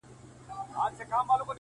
د خلګو تر هجوم اخوا